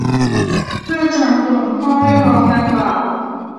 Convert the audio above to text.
เพื่อสนับสนุนข้อเรียกร้องดังกล่าว